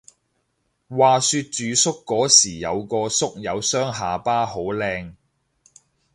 話說住宿嗰時有個宿友雙下巴好靚